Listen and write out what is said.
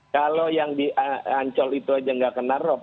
kalau yang di ancol itu aja gak kena rok